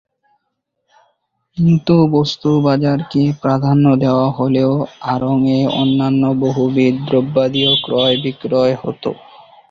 কিন্তু বস্ত্রবাজারকে প্রাধান্য দেওয়া হলেও আড়ং-এ অন্যান্য বহুবিধ দ্রব্যাদিও ক্রয়-বিক্রয় হতো।